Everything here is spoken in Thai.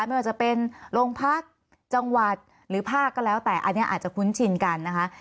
ไม่ว่าจะเป็นโรงพักจังหวัดหรือภาคก็แล้วแต่อันนี้อาจจะคุ้นชินกันนะคะ